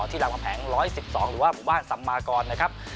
รามคำแหง๑๑๒หรือว่าหมู่บ้านสัมมากรนะครับ